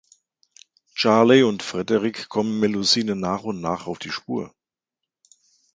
Charley und Frederik kommen Melusine nach und nach auf die Spur.